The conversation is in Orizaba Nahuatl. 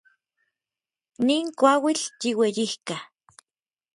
Nin kuauitl yiueyijka.